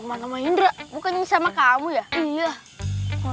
langsung kau ini tidak ada yang